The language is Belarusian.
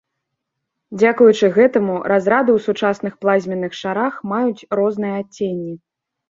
Дзякуючы гэтаму разрады ў сучасных плазменных шарах маюць розныя адценні.